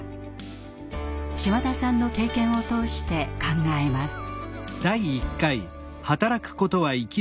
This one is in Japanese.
島田さんの経験を通して考えます。